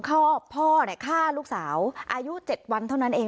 พ่อฆ่าลูกสาวอายุ๗วันเท่านั้นเอง